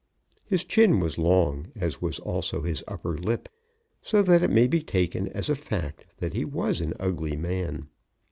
His chin was long, as was also his upper lip; so that it may be taken as a fact that he was an ugly man.